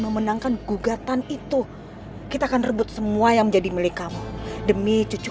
memenangkan gugatan itu kita akan rebut semua yang menjadi milik kamu demi cucu